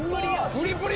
プリプリ。